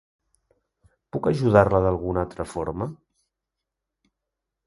Puc ajudar-la d'alguna altra forma?